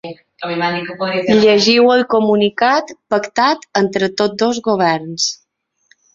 Llegiu el comunicat pactat entre tots dos governs.